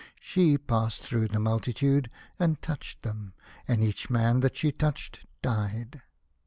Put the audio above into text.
She passed through the mul titude, and touched them, and each man that she touched died.